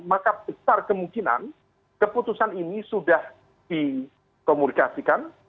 maka besar kemungkinan keputusan ini sudah dikomunikasikan